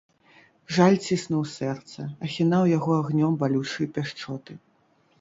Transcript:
Жаль ціснуў сэрца, ахінаў яго агнём балючай пяшчоты.